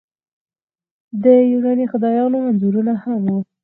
د یوناني خدایانو انځورونه هم وو